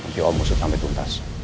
nanti om musyid ambil tuntas